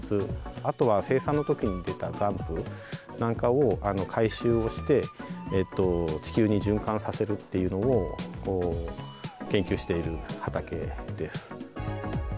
あとは生産のときに出た残布なんかを回収をして、地球に循環させるっていうのを研究している畑です。